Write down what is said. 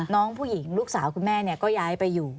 น้องผู้หญิงลูกสาวคุณแม่ก็ย้ายไปอยู่